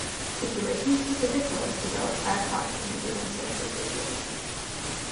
Situation-specific roles develop ad hoc in a given social situation.